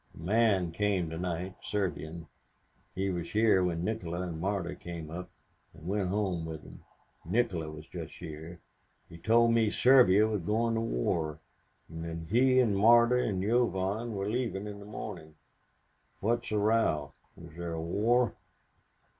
"A man came to night, Serbian. He was here when Nikola and Marta came up, and went home with them. Nikola was just here. He told me Serbia was going to war, and that he and Marta and Yovan were leaving in the morning. What's the row? Is there a war?"